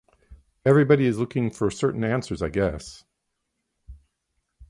Everybody is looking for certain answers I guess.